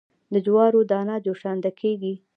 د جوارو دانه جوشانده کیږي.